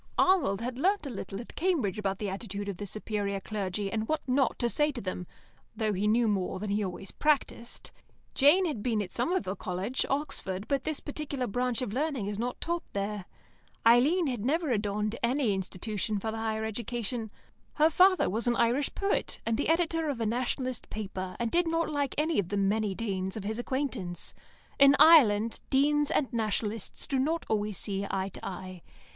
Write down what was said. Arnold had learnt a little at Cambridge about the attitude of the superior clergy, and what not to say to them, though he knew more than he always practised. Jane had been at Somerville College, Oxford, but this particular branch of learning is not taught there. Eileen had never adorned any institution for the higher education. Her father was an Irish poet, and the editor of a Nationalist paper, and did not like any of the many Deans of his acquaintance. In Ireland, Deans and Nationalists do not always see eye to eye.